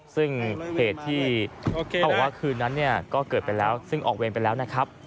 ซึ่งเหตุที่เขาบอกว่าคืนนั้นเนี่ยก็เกิดไปแล้วซึ่งออกเวรไปแล้วนะครับ